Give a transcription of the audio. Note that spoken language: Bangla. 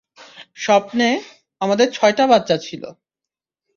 স্বপ্নে, আমাদের ছয়টা বাচ্চা ছিল।